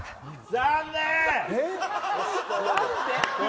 残念！